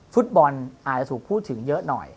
ฟุตบอลอาจจะถูกพูดถึงเยอะหน่อย